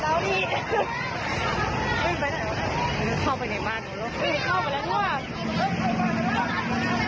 เข้าไปไหนบ้าง